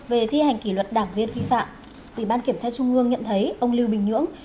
về thi hành kỷ luật đảng viên vi phạm ủy ban kiểm tra trung ương nhận thấy ông lưu bình nhưỡng